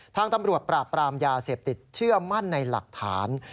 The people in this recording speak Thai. ทางตำรวจปราบปรามยาเสพติดเชื่อมั่นในหลักฐาน